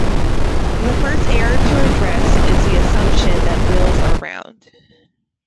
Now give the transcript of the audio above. The first error to address is the assumption that wheels are round.